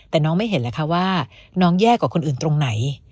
แต่น้องไม่เห็นแล้วค่ะว่าน้องแย่กว่าคนอื่นตรงไหน